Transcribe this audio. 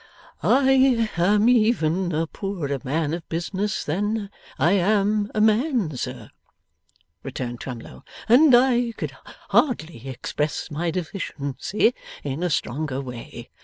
'I am even a poorer man of business than I am a man, sir,' returned Twemlow, 'and I could hardly express my deficiency in a stronger way.